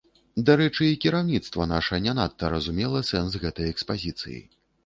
Дарэчы, і кіраўніцтва наша не надта разумела сэнс гэтай экспазіцыі.